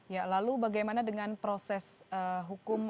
ya lalu bagaimana dengan proses hukum